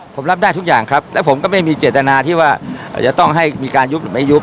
ผมรับได้ทุกอย่างครับแล้วผมก็ไม่มีเจตนาที่ว่าจะต้องให้มีการยุบหรือไม่ยุบ